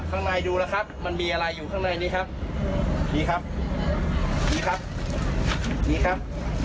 ข้างในดูแล้วครับมันมีอะไรอยู่ข้างในนี้ครับมีครับมีครับมีครับ